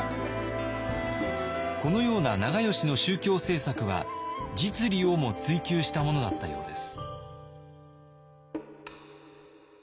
このような長慶の宗教政策は実利をも追求したものだったようです。